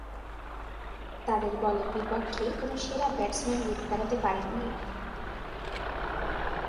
তাদের বলের বিপক্ষে কোন সেরা ব্যাটসম্যান রুখে দাঁড়াতে পারেননি।